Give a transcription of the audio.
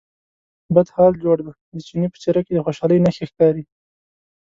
بد حال جوړ دی، د چیني په څېره کې د خوشالۍ نښې ښکارې.